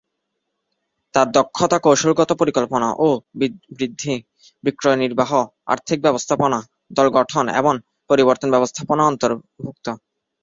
তার দক্ষতা কৌশলগত পরিকল্পনা ও বৃদ্ধি, বিক্রয় নির্বাহ, আর্থিক ব্যবস্থাপনা, দল গঠন এবং পরিবর্তন ব্যবস্থাপনা অন্তর্ভুক্ত।